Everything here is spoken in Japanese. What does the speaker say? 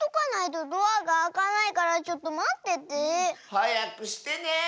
はやくしてね！